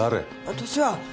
私は。